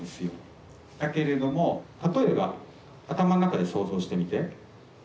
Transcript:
だけれども例えば頭の中で想像してみて。